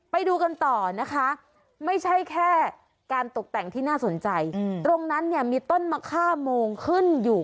ไปดูกันต่อนะคะไม่ใช่แค่การตกแต่งที่น่าสนใจตรงนั้นเนี่ยมีต้นมะค่าโมงขึ้นอยู่